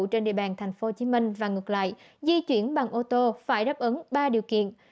trên địa bàn tp hcm và ngược lại di chuyển bằng ô tô phải đáp ứng ba điều kiện